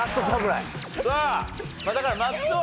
さあだから松尾